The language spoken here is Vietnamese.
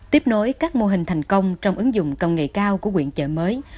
tiếp nối các mô hình thành công trong ứng dụng công nghệ cao của quyện chợ mới